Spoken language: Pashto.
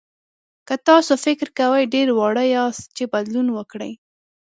که تاسو فکر کوئ ډېر واړه یاست چې بدلون وکړئ.